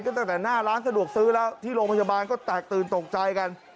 ตั้งแต่หน้าร้านสะดวกซื้อแล้วที่โรงพยาบาลก็แตกตื่นตกใจกัน